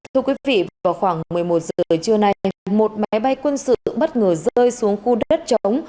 thưa quý vị vào khoảng một mươi một giờ trưa nay một máy bay quân sự bất ngờ rơi xuống khu đất chống